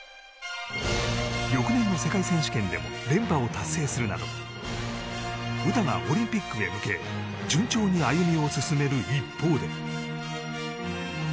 翌年の世界選手権でも連覇を達成するなど詩がオリンピックへ向け順調に歩みを進める一方で。